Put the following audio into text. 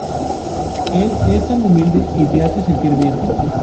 Él es tan humilde y te hace sentir bien.